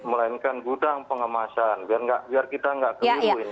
melainkan gudang pengemasan biar kita nggak keliru ini